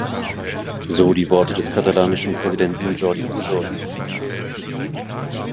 So die Worte des katalanischen Präsidenten Jordi Pujol.